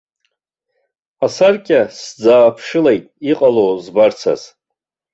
Асаркьа сӡааԥшылеит иҟало збарцаз.